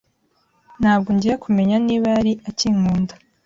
ntabwo ngiye kumenya niba yaba akinkunda